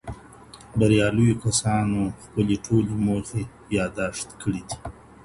بریالیو کسانو خپلي ټولي موخي یاد داشت کړې دي.